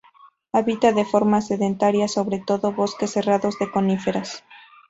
Habita de forma sedentaria sobre todo bosques cerrados de coníferas.